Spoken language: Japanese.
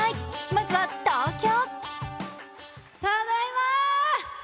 まずは東京。